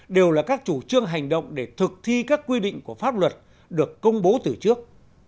đều là các chủ trương hành động để thực thi các quy định của pháp luật được công bố từ trước